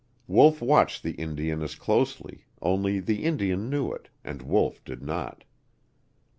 Wolf watched the Indian as closely, only the Indian knew it, and Wolf did not.